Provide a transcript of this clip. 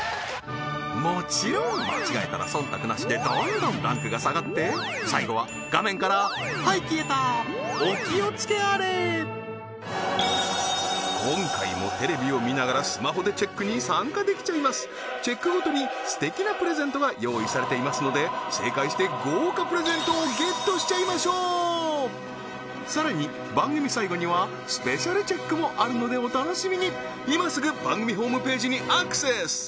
もちろん間違えたらそんたくなしでどんどんランクが下がって最後は画面からはい消えたお気をつけあれ今回もテレビを見ながらスマホでチェックに参加できちゃいますチェックごとにすてきなプレゼントが用意されていますので正解して豪華プレゼントをゲットしちゃいましょうさらに番組さいごにはスペシャルチェックもあるのでお楽しみにいますぐ番組ホームページにアクセス